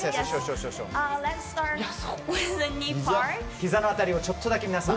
ひざの辺りをちょっとだけ皆さん。